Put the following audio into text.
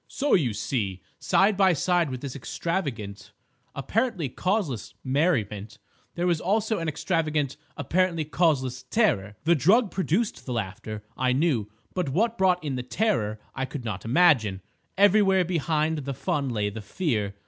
"So, you see, side by side with this extravagant, apparently causeless merriment, there was also an extravagant, apparently causeless terror. The drug produced the laughter, I knew; but what brought in the terror I could not imagine. Everywhere behind the fun lay the fear.